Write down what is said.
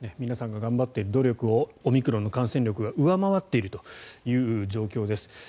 皆さんが頑張っている努力をオミクロンの感染力が上回っているという状況です。